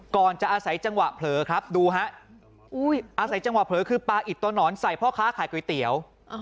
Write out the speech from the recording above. ก่อนจะอาศัยจังหวะเผลอครับดูฮะอาศัยจังหวะเผลอคือปลาอิดตัวหนอนใส่พ่อค้าขายก๋วยเตี๋ยว